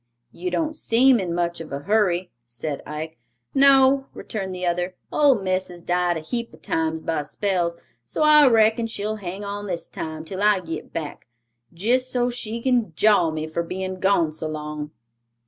"You don't seem in much of a hurry," said Ike. "No," returned the other; "old miss has died a heap o' times, by spells, so I reckon she'll hang on this time till I git back, jist so she can jaw me for being gone so long."